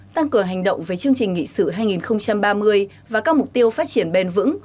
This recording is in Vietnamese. tăng cường hành động về chương trình nghị sự hai nghìn ba mươi và các mục tiêu phát triển bền vững